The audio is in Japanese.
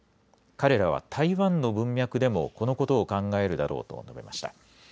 彼らは台湾の文脈でも、このことを考えるだろうと述べました。